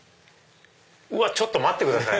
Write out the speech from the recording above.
うわちょっと待ってください。